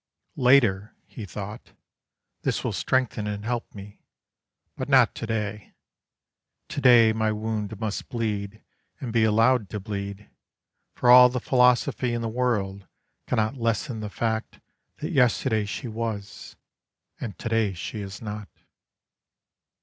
"Later," he thought, "this will strengthen and help me, but not to day; to day my wound must bleed and be allowed to bleed, for all the philosophy in the world cannot lessen the fact that yesterday she was and to day she is not."